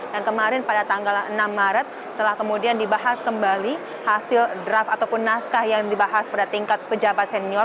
dan kemarin pada tanggal enam maret telah kemudian dibahas kembali hasil draft ataupun naskah yang dibahas pada tingkat pejabat senior